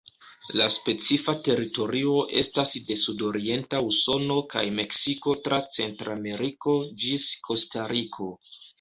La specifa teritorio estas de sudorienta Usono kaj Meksiko tra Centrameriko ĝis Kostariko.